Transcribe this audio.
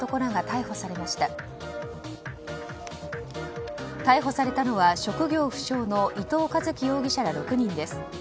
逮捕されたのは、職業不詳の伊藤一輝容疑者ら６人です。